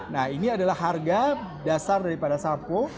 nah ini adalah harga dasar daripada sampo